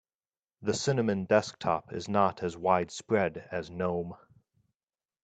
The cinnamon desktop is not as widespread as gnome.